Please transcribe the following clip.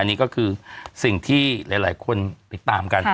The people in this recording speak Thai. อันนี้ก็คือสิ่งที่หลายคนติดตามกัน